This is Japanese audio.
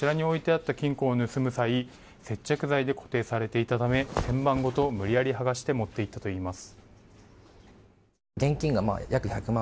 犯人はこちらに置いてあった金庫を盗む際接着剤で固定されていたため天板ごと無理やりはがして持って行ったといいます。